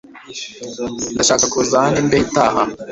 Ndashaka kuza hano imbeho itaha.